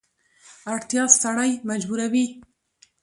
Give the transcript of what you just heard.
اړتیا سړی مجبوروي.